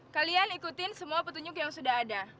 kalian ikutin semua petunjuk yang sudah ada